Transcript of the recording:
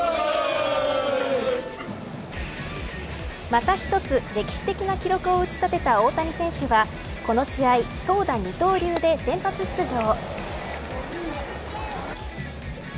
また１つ歴史的な記録を打ち立てた大谷選手はこの試合、投打二刀流で先発出場。